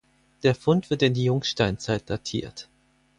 Der Fund wird in die Jungsteinzeit datiert.